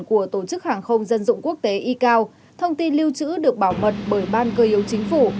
của tổ chức hàng không dân dụng quốc tế y cao thông tin lưu trữ được bảo mật bởi ban cơ yếu chính phủ